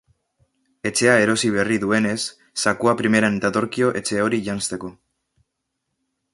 Etxea erosi berri duenez, zakua primeran datorkio etxe hori janzteko.